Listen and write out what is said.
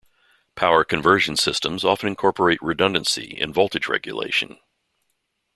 Power conversion systems often incorporate redundancy and voltage regulation.